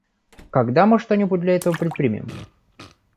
Когда мы что-нибудь для этого предпримем?